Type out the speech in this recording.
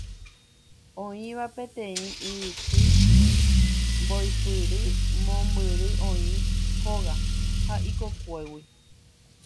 Oĩva peteĩ yvyty mboypýri mombyry oĩva hóga ha ikokuégui.